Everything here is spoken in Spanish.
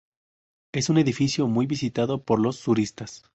Es un edificio muy visitado por los turistas.